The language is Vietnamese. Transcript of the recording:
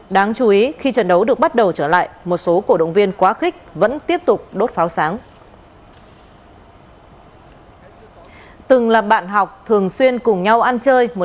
đáng chú ý khi trận đấu được bắt đầu trở lại một số cổ động viên quá khích vẫn tiếp tục đốt pháo sáng